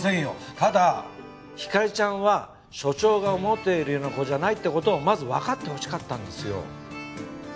ただひかりちゃんは署長が思っているような子じゃないってことをまずわかってほしかったんですよ。